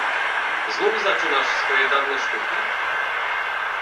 Znów zaczynasz swoje dawne sztuki?